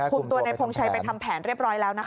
ตัวในพงชัยไปทำแผนเรียบร้อยแล้วนะคะ